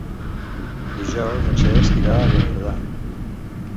Dijous en Cesc irà a Beniardà.